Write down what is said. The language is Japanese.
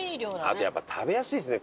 あとやっぱ食べやすいですね